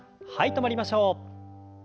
止まりましょう。